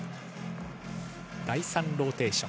第３ローテーション。